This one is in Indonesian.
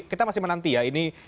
kita masih menanti ya